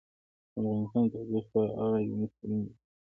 افغانستان د تودوخه په اړه علمي څېړنې لري.